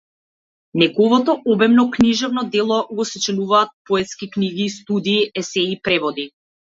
Неговото обемно книжевно дело го сочинуваат поетки книги, студии, есеи, преводи.